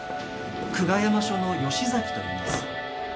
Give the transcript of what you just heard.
久我山署の吉崎といいます。